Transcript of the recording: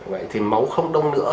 vậy thì máu không đông nữa